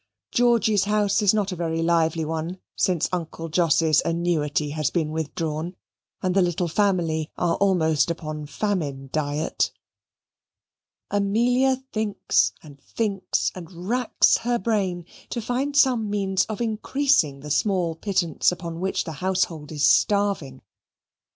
Georgy's house is not a very lively one since Uncle Jos's annuity has been withdrawn and the little family are almost upon famine diet. Amelia thinks, and thinks, and racks her brain, to find some means of increasing the small pittance upon which the household is starving.